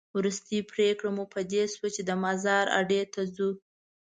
وروستۍ پرېکړه مو په دې شوه چې د مزار اډې ته ځو.